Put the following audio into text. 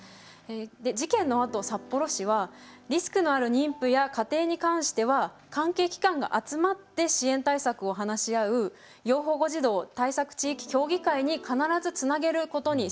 事件のあと札幌市はリスクのある妊婦や家庭に関しては関係機関が集まって支援対策を話し合う要保護児童対策地域協議会に必ずつなげることにしました。